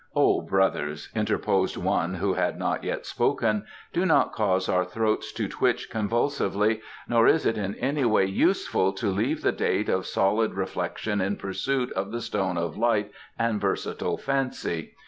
"O brothers," interposed one who had not yet spoken, "do not cause our throats to twitch convulsively; nor is it in any way useful to leave the date of solid reflection in pursuit of the stone of light and versatile fancy.